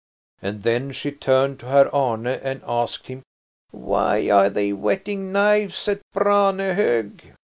And then she turned to Herr Arne and asked him: "Why are they whetting knives at Branehog?"